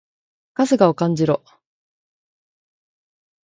春日を感じろ！